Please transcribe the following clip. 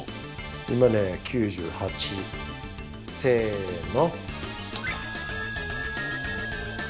今ね９８せの！